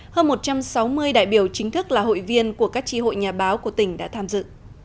hơn một trăm sáu mươi đại biểu chính thức là hội viên của các tri hội nhà báo của tỉnh đã tham dự